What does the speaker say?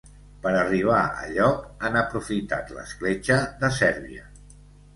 Per arribar a lloc, han aprofitat l’escletxa de Sèrbia.